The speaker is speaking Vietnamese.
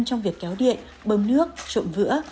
trong việc kéo điện bơm nước trộm vữa